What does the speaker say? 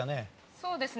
そうですね。